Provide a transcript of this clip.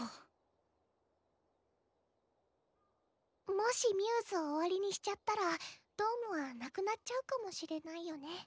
もしμ’ｓを終わりにしちゃったらドームはなくなっちゃうかもしれないよね。